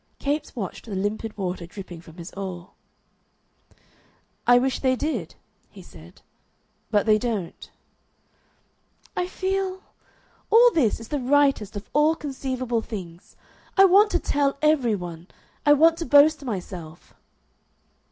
Capes watched the limpid water dripping from his oar. "I wish they did," he said, "but they don't." "I feel All this is the rightest of all conceivable things. I want to tell every one. I want to boast myself."